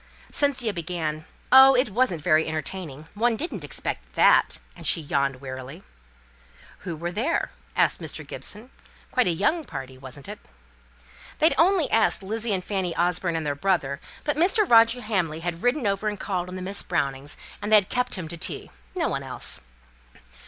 Cynthia began, "Oh! it wasn't very entertaining. One didn't expect that," and she yawned wearily. "Who were there?" asked Mr. Gibson. "Quite a young party wasn't it?" "They'd only asked Lizzie and Fanny Orford, and their brother; but Mr. Roger Hamley had ridden over and called on Miss Brownings, and they kept him to tea. No one else."